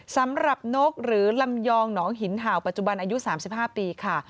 สำหรับนกหรือลำยองหนองหินเห่าปัจจุบันอายุ๓๕ปีค่ะ